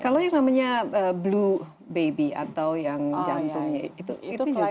kalau yang namanya blue baby atau yang jantungnya itu juga